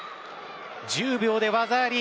１０秒で技あり。